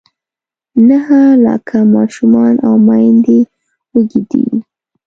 نهه لاکه ماشومان او میندې وږې دي.